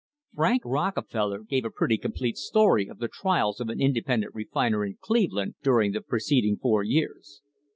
Frank Rockefeller gave a pretty complete story of the trials of an independent refiner in Cleveland during the pre ceding four years.